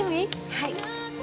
はい。